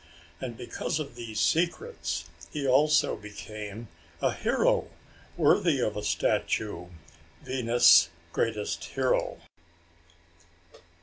And because of these secrets, he also became a hero worthy of a statue Venus' greatest hero.